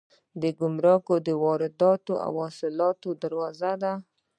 ګمرک د وارداتو او صادراتو دروازه ده